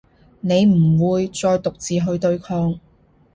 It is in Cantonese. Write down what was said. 你唔會再獨自去對抗